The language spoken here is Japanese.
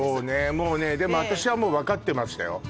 もうねでも私はもう分かってましたよ